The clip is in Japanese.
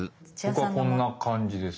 僕はこんな感じです。